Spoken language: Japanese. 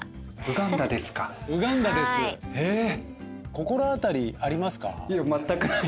心当たりありますか？